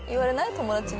友達に。